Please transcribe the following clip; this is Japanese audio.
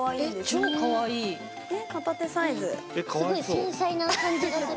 すごい繊細な感じがする。